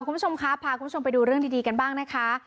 คุณผู้ชมครับพาคุณผู้ชมไปดูเรื่องดีกันบ้างนะคะ